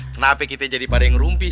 kenapa kita jadi pada yang rumpi